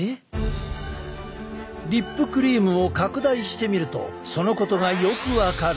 リップクリームを拡大してみるとそのことがよく分かる。